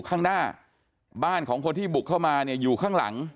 ข้างหน้าบ้านของคนที่บุกเข้ามาเนี่ยอยู่ข้างหลัง